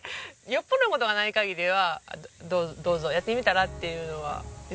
よっぽどの事がない限りは「どうぞやってみたら」っていうのはいつも。